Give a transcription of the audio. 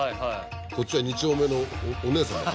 こっちは二丁目のお姉さんが。